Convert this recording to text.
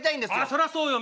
そらそうよ